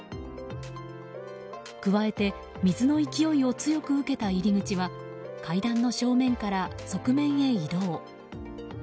加えて水の勢いを強く受けた入り口は階段の正面から側面へ移動。